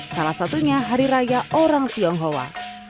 salah satunya hari raya orang tionghoa